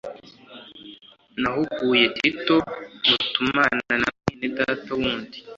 Nahuguye tito mutumana na mwene data wundi